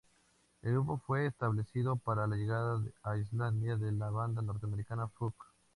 El grupo fue establecido para la llegada a Islandia de la banda norteamericana Fuck.